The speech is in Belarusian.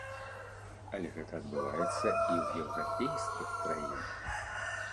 Але гэта адбываецца і ў еўрапейскіх краінах.